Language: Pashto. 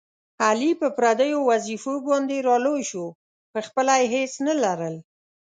علي په پردیو وظېفو باندې را لوی شو، په خپله یې هېڅ نه لرل.